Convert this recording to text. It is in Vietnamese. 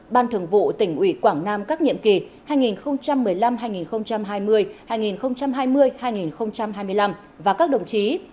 ban thường vụ tỉnh ủy quảng nam các nhiệm kỳ hai nghìn một mươi năm hai nghìn hai mươi hai nghìn hai mươi hai nghìn hai mươi năm và các đồng chí